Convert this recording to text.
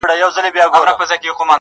خو د لفظونو بغاوت خاورې ايرې کړ,